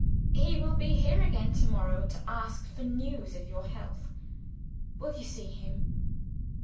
He will be here again to morrow, to ask for news of your health. Will you see him?"